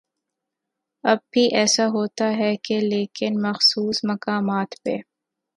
اب بھی ایسا ہوتا ہے لیکن مخصوص مقامات پہ۔